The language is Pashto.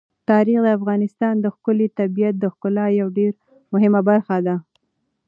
تاریخ د افغانستان د ښکلي طبیعت د ښکلا یوه ډېره مهمه برخه ده.